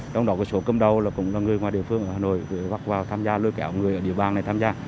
trong đó số cơm đầu cũng là người ngoài địa phương ở hà nội được gặp vào tham gia lôi kẹo người ở địa bàn này tham gia